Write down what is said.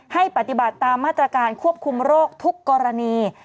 ให้ปฏิบัติตามมาตรการควบคุมโรคทุกกรณี